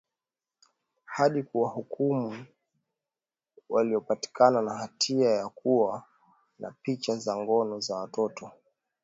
hadi kuwahukumu waliopatikana na hatia ya kuwa na picha za ngono za watoto